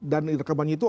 dan rekamannya itu